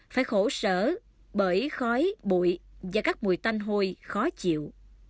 phải khổ sở bởi khói bụi và các mùi tanh hôi khó chịu